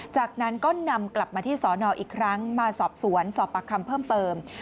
จากนั้นก็นำกลับมาที่สอนออีกครั้งมาสอบสวนสอบปากคำเพิ่มเติม